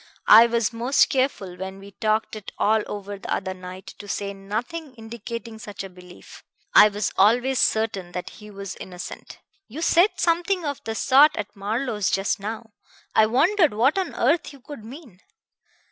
"I was most careful, when we talked it all over the other night, to say nothing indicating such a belief. I was always certain that he was innocent." "You said something of the sort at Marlowe's just now. I wondered what on earth you could mean.